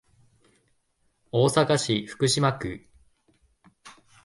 大阪市福島区